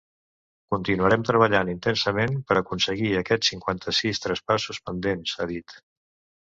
Continuarem treballant intensament per aconseguir aquests cinquanta-sis traspassos pendents, ha dit.